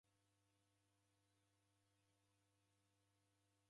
Loli ifumagha putu.